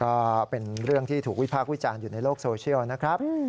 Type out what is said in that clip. ก็เป็นเรื่องที่ถูกวิพากษ์วิจารณ์อยู่ในโลกโซเชียลนะครับ